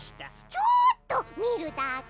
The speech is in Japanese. ちょっとみるだけ！